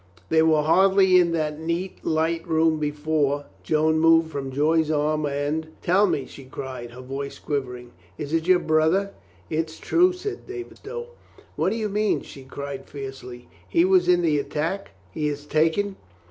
They were hardly in that neat, light room before Joan moved from Joy's a»m and, "Tell me!" she cried, her voice quivering, "Is it your brother?" "It's true," said David Stow. "What do you mean?" she cried fiercely. "He was in the attack? He is taken